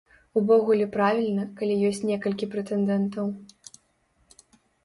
Увогуле правільна, калі ёсць некалькі прэтэндэнтаў.